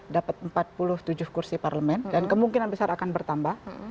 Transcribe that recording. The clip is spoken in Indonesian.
dapat empat puluh tujuh kursi parlemen dan kemungkinan besar akan bertambah